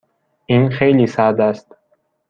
این خیلی سرد است.